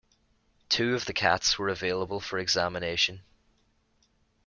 Two of the cats were available for examination.